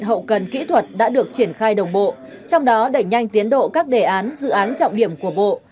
hậu cần kỹ thuật đã được triển khai đồng bộ trong đó đẩy nhanh tiến độ các đề án dự án trọng điểm của bộ